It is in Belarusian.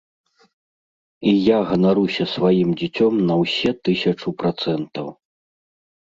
І я ганаруся сваім дзіцем на ўсе тысячу працэнтаў!